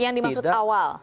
yang dimaksud awal